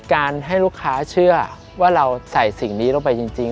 การให้ลูกค้าเชื่อว่าเราใส่สิ่งนี้ลงไปจริง